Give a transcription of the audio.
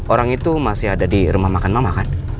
orang itu masih ada di rumah makan mama kan